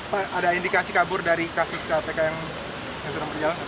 pak ada indikasi kabur dari kasus kpk yang sedang berjalan